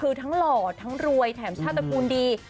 คือทั้งหล่อทั้งรวยแถมชาติตระกูลดี